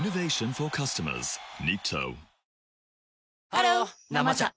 ハロー「生茶」